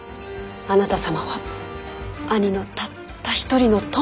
あなた様は兄のたった一人の友ですもの。